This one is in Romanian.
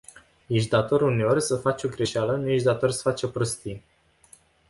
Ești dator uneori să faci o greșeală, nu ești dator să faci o prostie.